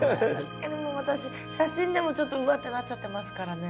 確かにもう私写真でもちょっとうわってなっちゃってますからね。